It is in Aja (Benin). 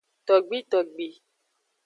Togbitogbi.